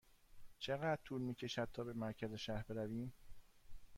چقدر طول می کشد تا به مرکز شهر برویم؟